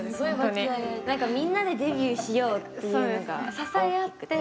みんなでデビューしようっていうのが大きくて。